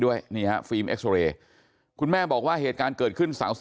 ด้วยนี่ฮะฟิล์มเอ็กซอเรย์คุณแม่บอกว่าเหตุการณ์เกิดขึ้น๓๐